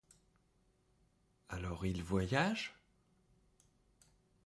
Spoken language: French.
Alors il voyage?